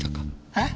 えっ？